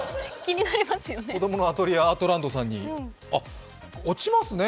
子どものアトリエアートランドさんに。